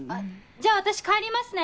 じゃあ私帰りますね。